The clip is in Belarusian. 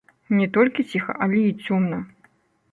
Не толькі ціха, але і цёмна.